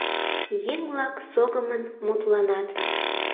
Еҥ-влак согымын мутланат.